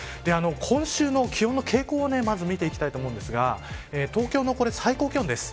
今週の気温の傾向をまず見ていきたいと思うんですが東京の最高気温です。